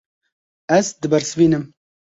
Ez dibersivînim.